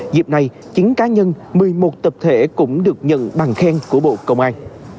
dịp này chính cá nhân một mươi một tập thể cũng được nhận bàn khen của bộ công an